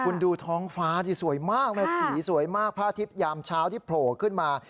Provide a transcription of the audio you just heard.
คุณดูท้องฟ้าดิสวยมากนะสีสวยมากพระอาทิตยามเช้าที่โผล่ขึ้นมา